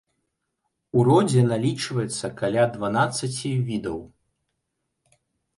У родзе налічваецца каля дванаццаці відаў.